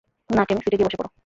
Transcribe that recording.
না, ক্যামি, সিটে গিয়ে বসে পড়ো!